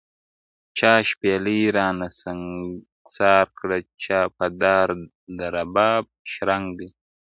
چا شپېلۍ رانه سنګسار کړه چا په دار د رباب شرنګ دی,